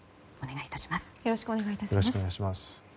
お願い致します。